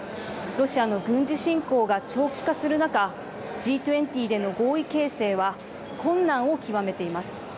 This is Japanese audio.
ロシアの軍事侵攻が長期化する中Ｇ２０での合意形成は困難を極めています。